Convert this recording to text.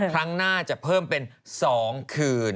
ครั้งหน้าจะเพิ่มเป็น๒คืน